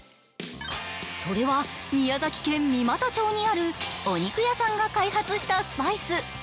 それは宮崎県三股町にあるお肉屋さんが開発したスパイス。